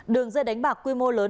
đường dây đánh bạc quy mô lớn